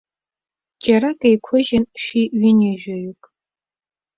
Џьарак еиқәыжьын шәи ҩынҩажәаҩык.